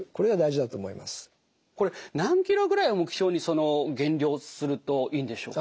これ何キロぐらいを目標に減量するといいんでしょう？